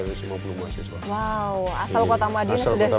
wow asal kota madiun sudah sekolah